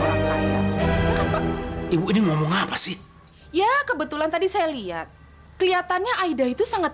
orang kaya ibu ini ngomong apa sih ya kebetulan tadi saya lihat kelihatannya aida itu sangat